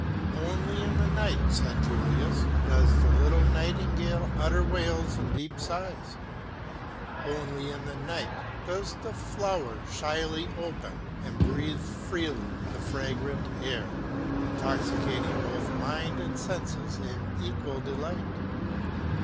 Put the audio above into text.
"Only in the night," said Julius, "does the little nightingale utter wails and deep sighs. Only in the night does the flower shyly open and breathe freely the fragrant air, intoxicating both mind and senses in equal delight.